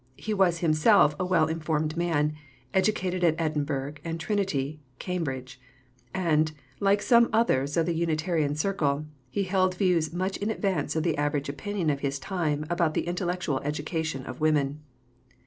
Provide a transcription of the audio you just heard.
He was himself a well informed man, educated at Edinburgh, and Trinity, Cambridge; and, like some others of the Unitarian circle, he held views much in advance of the average opinion of his time about the intellectual education of women.